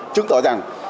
chứng tỏ rằng